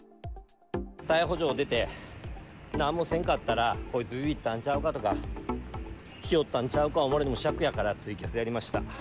逮捕状出て、なんもせんかったら、こいつびびったんちゃうかとか、ひよったんちゃうか思われてもしゃくやから、ツイキャスやりました。